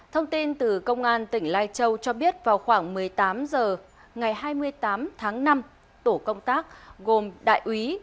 thông tin từ công an tỉnh lai châu cho biết vào khoảng một mươi tám h ngày hai mươi tám tháng năm tổ công tác gồm đại úy